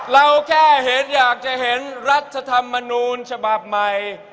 เราแค่เห็นอยากจะเห็นรัฐธรรมนูญฉบับใหม่